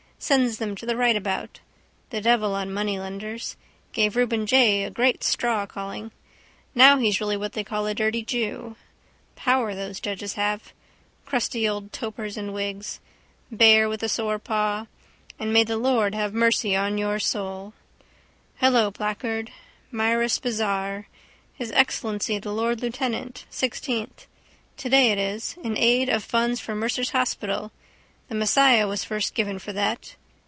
Sends them to the rightabout. The devil on moneylenders. Gave Reuben J a great strawcalling. Now he's really what they call a dirty jew. Power those judges have. Crusty old topers in wigs. Bear with a sore paw. And may the Lord have mercy on your soul. Hello, placard. Mirus bazaar. His Excellency the lord lieutenant. Sixteenth. Today it is. In aid of funds for Mercer's hospital. The Messiah was first given for that.